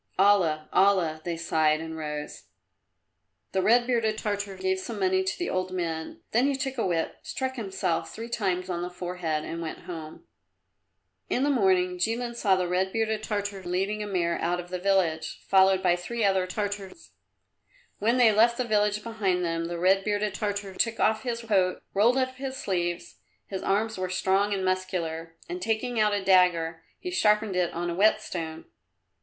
"Allah! Allah!" they sighed and rose. The red bearded Tartar gave some money to the old men, then he took a whip, struck himself three times on the forehead and went home. In the morning Jilin saw the red bearded Tartar leading a mare out of the village, followed by three other Tartars. When they left the village behind them the red bearded Tartar took off his coat, rolled up his sleeves his arms were strong and muscular and taking out a dagger, he sharpened it on a whetstone.